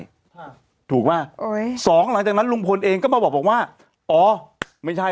ค่ะถูกป่ะโอ้ยสองหลังจากนั้นลุงพลเองก็มาบอกว่าอ๋อไม่ใช่